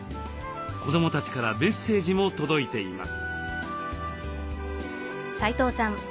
子どもたちからメッセージも届いています。